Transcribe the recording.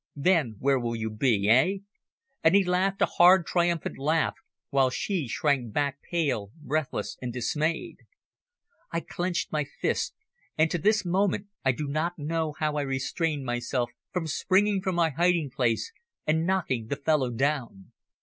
Then where will you be eh?" And he laughed a hard triumphant laugh, while she shrank back pale, breathless and dismayed. I clenched my fists, and to this moment I do not know how I restrained myself from springing from my hiding place and knocking the fellow down.